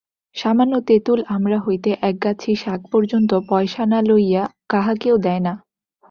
সামান্য তেঁতুল আমড়া হইতে একগাছি শাক পর্যন্ত পয়সা না লইয়া কাহাকেও দেয় না।